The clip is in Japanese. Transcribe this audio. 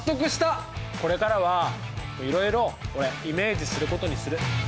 これからはいろいろ俺イメージすることにする。